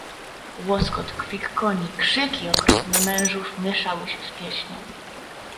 "Łoskot, kwik koni, krzyki okropne mężów mieszały się z pieśnią."